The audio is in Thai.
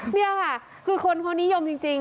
จริงป่าวค่ะคือคนโคนิยมจริง